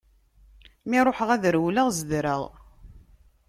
Mi ruḥeɣ ad rewleɣ zedreɣ.